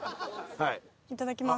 いただきます。